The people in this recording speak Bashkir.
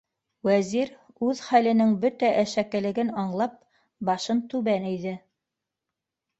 Вәзир, үҙ хәленең бөтә әшәкелеген аңлап, башын түбән эйҙе.